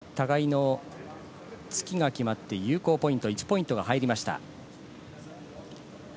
互いの突きが決まって有効ポイント１ポイントが入りました。